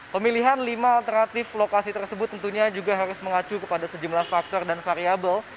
pemilihan lima alternatif lokasi tersebut tentunya juga harus mengacu kepada sejumlah faktor dan variable